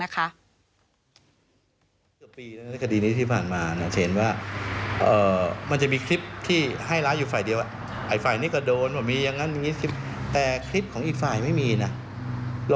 คือมั่นใจหรือไม่เนี่ย